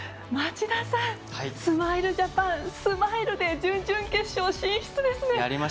町田さん、スマイルジャパンスマイルで準々決勝進出ですね。